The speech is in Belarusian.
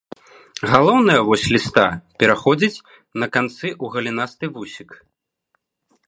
Галоўная вось ліста пераходзіць на канцы ў галінасты вусік.